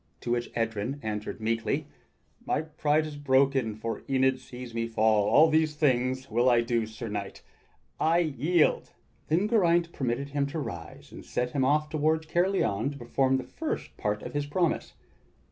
To which Edryn answered meekly: "My pride is broken, for Enid sees me fall. All these things will I do. Sir Knight; I yield!" GERAINT WITH THE SPARROW HAWK 61 Then Geraint permitted him to rise, and saw him set off toward Caerleon to perform the first part of his promise.